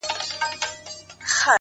نیک اخلاق د انسان وقار لوړوي،